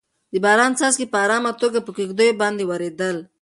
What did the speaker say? د باران څاڅکي په ارامه توګه په کيږديو باندې ورېدل.